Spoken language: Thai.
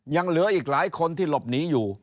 ยังเหลืออีกหลายคนที่หลบหนีอยู่